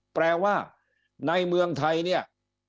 แปลว่าในเมืองไทย